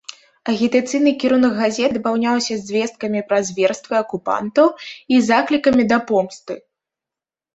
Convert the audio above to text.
Агітацыйны кірунак газеты дапаўняўся звесткамі пра зверствы акупантаў і заклікамі да помсты.